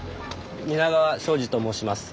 皆川昌司と申します。